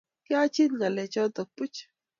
Kyachit ngalechoto buuch